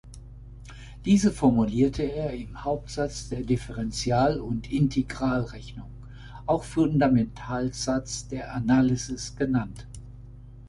Diese formulierte er im Hauptsatz der Differential- und Integralrechnung, auch "Fundamentalsatz der Analysis" genannt.